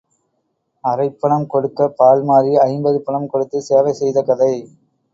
அரைப் பணம் கொடுககப் பால்மாறி ஐம்பது பணம் கொடுத்துச் சேவை செய்த கதை.